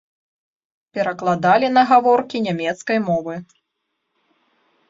Перакладалі на гаворкі нямецкай мовы.